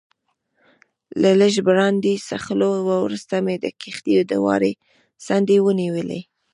له لږ برانډي څښلو وروسته مې د کښتۍ دواړې څنډې ونیولې.